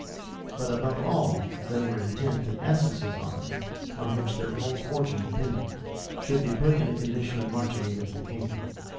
But, above all, they were intent that Essex's army, on which their whole fortune depended, should be put in a condition of marching against the king.